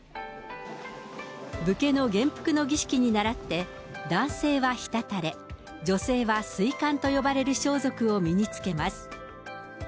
武家の元服の儀式にならって、男性はひたたれ、女性は水干と呼ばれる装束を身につけます。